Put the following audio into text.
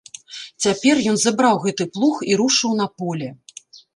Цяпер ён забраў гэты плуг і рушыў на поле.